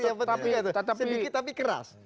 sedikit pengikut tapi keras